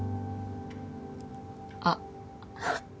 あっ。